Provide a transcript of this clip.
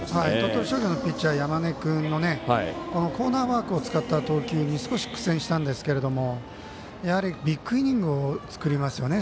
鳥取商業のピッチャー山根君のコーナーワークを使った投球に少し苦戦したんですけれどもビッグイニングを作りますよね。